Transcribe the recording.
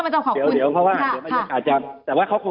ใช่เดี๋ยวมันจะบอกขอบคุณ